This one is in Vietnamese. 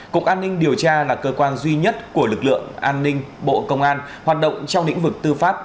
cục an ninh điều tra là cơ quan duy nhất của lực lượng an ninh bộ công an hoạt động trong lĩnh vực tư pháp